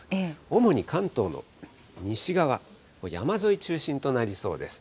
主に関東の西側、山沿い中心となりそうです。